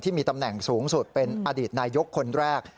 มีตำแหน่งสูงสุดเป็นอดีตนายกคนแรก